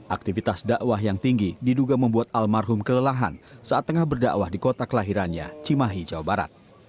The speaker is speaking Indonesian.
aktivitas dakwah yang tinggi diduga membuat almarhum kelelahan saat tengah berdakwah di kota kelahirannya cimahi jawa barat